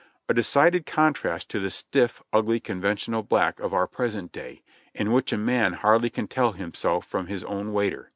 A decided contrast to the stiff, ugly, conventional black of our present day, in which a man hardly can tell himself from his own waiter.